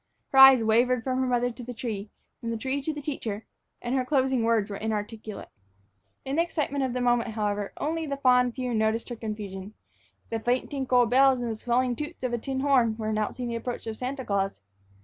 Her eyes wavered from her mother to the tree, from the tree to the teacher, and her closing words were inarticulate. In the excitement of the moment, however, only the fond few noticed her confusion. The faint tinkle of bells and the swelling toots of a tin horn were announcing the approach of Santa Claus.